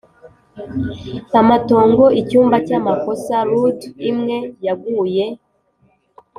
amatongo, icyumba cyamakosa, rood imwe yaguye